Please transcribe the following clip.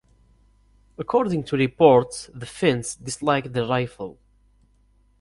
According to reports, the Finns disliked the rifle.